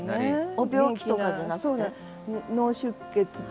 お病気とかじゃなくて？